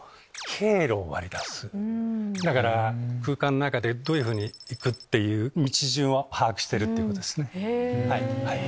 だから空間の中でどういうふうに行くっていう道順を把握してるってことですね。